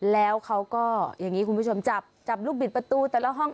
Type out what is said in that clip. แล้วเขาก็อย่างนี้คุณผู้ชมจับจับลูกบิดประตูแต่ละห้อง